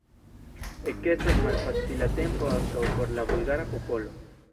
Ekestas malfacila tempo ankaŭ por la bulgara popolo.